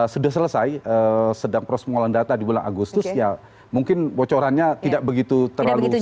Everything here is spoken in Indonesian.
sudah selesai sedang proses pengolahan data di bulan agustus ya mungkin bocorannya tidak begitu terlalu signifikan